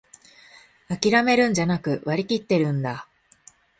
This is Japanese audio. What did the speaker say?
あきらめるんじゃなく、割りきってるんだ